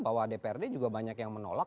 bahwa dprd juga banyak yang menolak